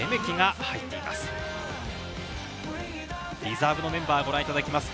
リザーブのメンバーをご覧いただきます。